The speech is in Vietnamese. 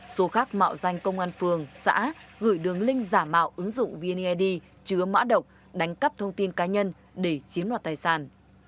số khác mạo danh công an phường xã gửi đường link giả mạo ứng dụng vned chứa mã độc đánh cắp thông tin cá nhân để chiếm đoạt tài sản